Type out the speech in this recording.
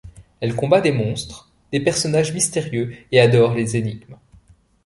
Elle combat des monstres, des personnages mystérieux et adore les énigmes.